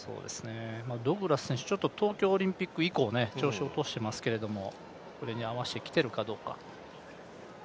ドグラス選手、東京オリンピック以降、調子を落としていますけどこれに合わせてきているかどうか。